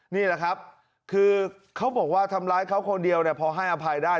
นี่แหละครับคือเขาบอกว่าทำร้ายเขาคนเดียวพอให้อภัยได้